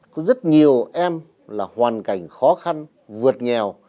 có rất nhiều em là hoàn cảnh khó khăn vượt nghèo